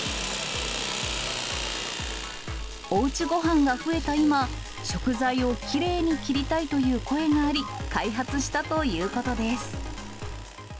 おうちごはんが増えた今、食材をきれいに切りたいという声があり、開発したということです。